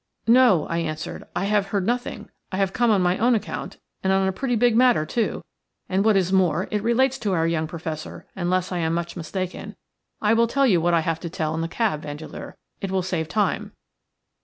"No," I answered. "I have heard nothing. I have come on my own account, and on a pretty big matter too, and, what is more, it relates to our young Professor, unless I am much mistaken. I will tell you what I have to tell in the cab, Vandeleur; it will save time."